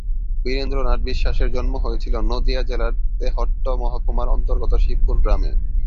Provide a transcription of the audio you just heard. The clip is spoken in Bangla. বীরেন্দ্রনাথ বিশ্বাসের জন্ম হয়েছিল নদিয়া জেলার তেহট্ট মহকুমার অন্তর্গত শিবপুর গ্রামে।